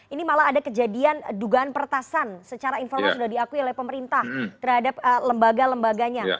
ini malah ada kejadian dugaan pertasan secara informal sudah diakui oleh pemerintah terhadap lembaga lembaganya